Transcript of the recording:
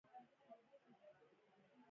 د پیرودونکو خدمتونه په څو ژبو وړاندې کیږي.